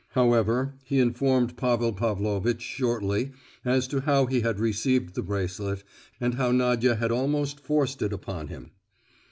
However, he informed Pavel Pavlovitch shortly as to how he had received the bracelet, and how Nadia had almost forced it upon him.